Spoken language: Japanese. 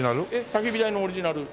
焚き火台のオリジナル。